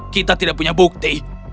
kita tidak punya bukti